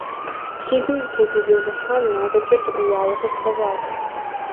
Си гур зытегузэвыхьам натӏэкӏэ сыӀууауэ къысфӏэщӏат.